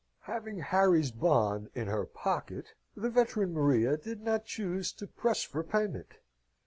Having Harry's bond in her pocket, the veteran Maria did not choose to press for payment.